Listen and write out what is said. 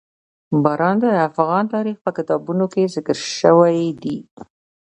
باران د افغان تاریخ په کتابونو کې ذکر شوی دي.